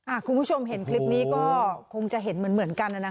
อ่าคุณผู้ชมเห็นคลิปนี้ก็คงจะเห็นเหมือนเหมือนกันแล้วนะคะ